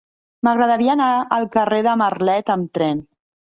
M'agradaria anar al carrer de Marlet amb tren.